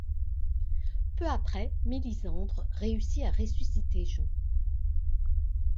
Peu après, Mélisandre réussit à ressusciter Jon.